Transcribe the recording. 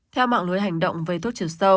theo mạng lưới hành động về thuốc trừ sâu